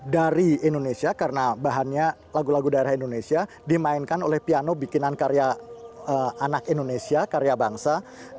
dari indonesia karena bahannya lagu lagu daerah indonesia dimainkan oleh piano bikinan karya anak indonesia karya bangsa